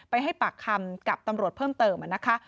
ให้ปากคำกับตำรวจเพิ่มเติมนะคะ